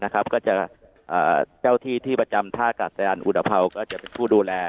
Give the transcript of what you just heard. ก็จะเจ้าที่ที่ประจำท่ากาศยานอุตภัวก็จะเป็นผู้ดูแล